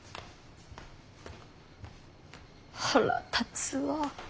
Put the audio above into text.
腹立つわぁ。